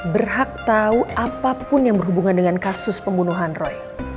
berhak tahu apapun yang berhubungan dengan kasus pembunuhan roy